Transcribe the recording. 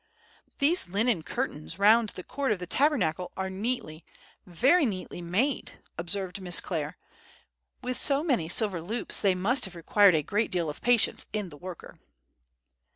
"These linen curtains round the court of the Tabernacle are neatly, very neatly made," observed Miss Clare; "with so many silver loops they must have required a great deal of patience in the worker."